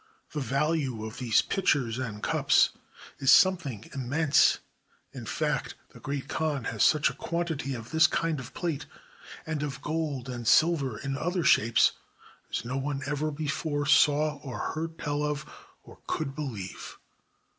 The value of these pitchers and cups is something immense; in fact, the Great Khan has such a quantity of this kind of plate, and of gold and silver in other shapes, as no one ever before saw or heard tell of or could believe.